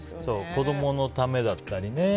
子供のためだったりね。